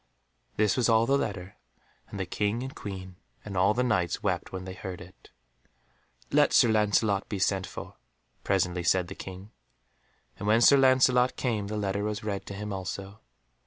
This was all the letter, and the King and Queen and all the Knights wept when they heard it. "Let Sir Lancelot be sent for," presently said the King, and when Sir Lancelot came the letter was read to him also.